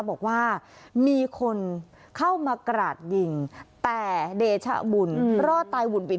บอกว่ามีคนเข้ามากราดยิงแต่เดชะบุญรอดตายหุ่นวิญ